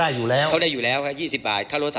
มีการที่จะพยายามติดศิลป์บ่นเจ้าพระงานนะครับ